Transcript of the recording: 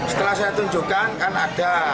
setelah saya tunjukkan kan ada